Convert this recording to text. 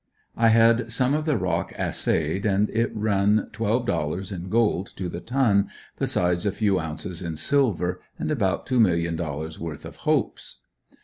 I had some of the rock assayed and it run twelve dollars in gold to the ton, besides a few ounces in silver and about two million dollars worth of hopes.